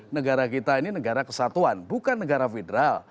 negara kita ini negara kesatuan bukan negara federal